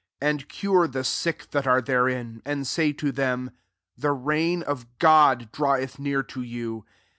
9 And cure the mdk that are therein ; and say* so them, 'The reign of God df«Wii eth near to you.'